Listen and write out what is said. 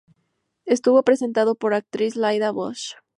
Estuvo presentado por la actriz Lydia Bosch.